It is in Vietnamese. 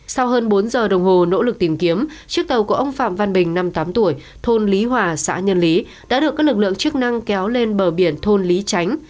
sau hơn bốn giờ đồng hồ nỗ lực tìm kiếm chiếc tàu của ông phạm văn bình năm mươi tám tuổi thôn lý hòa xã nhân lý đã được các lực lượng chức năng kéo lên bờ biển thôn lý tránh